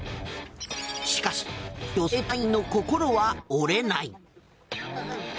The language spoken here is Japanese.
しかし女性隊員の心は折れない。